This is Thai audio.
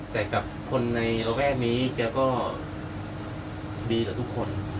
แต่กับคนในเราแห้งนี้เขาก็ดีกว่าทุกคน